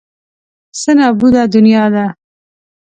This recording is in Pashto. څه نابوده دنیا ده.